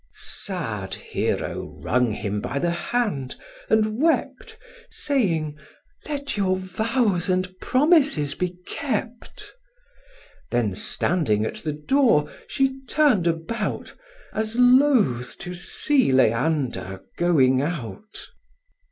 Sad Hero wrung him by the hand, and wept, Saying, "Let your vows and promises be kept": Then standing at the door, she turn'd about, As loathe to see Leander going out.